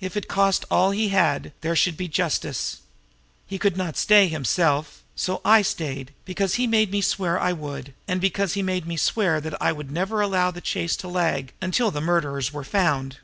If it cost all he had, there should be justice. He could not stay himself; and so I stayed because he made me swear I would, and because he made me swear that I would never allow the chase to lag until the murderers were found.